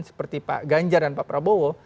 seperti pak ganjar dan pak prabowo